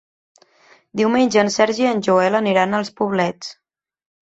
Diumenge en Sergi i en Joel aniran als Poblets.